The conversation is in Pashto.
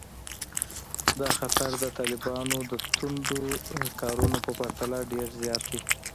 دا خطر د طالبانو د توندو کارونو په پرتله ډېر زیات دی